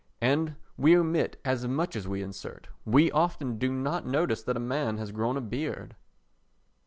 And we omit as much as we insert. We often do not notice that a man has grown a beard.